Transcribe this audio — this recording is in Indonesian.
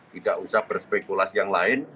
tidak usah berspekulasi yang lain